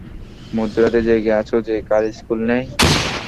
মধ্যরাতে জেগে আছো যে, কাল স্কুল নেই?